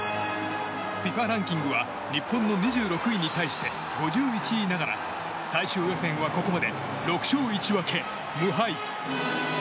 ＦＩＦＡランキングは日本の２６位に対して５１位ながら最終予選はここまで６勝１分け無敗。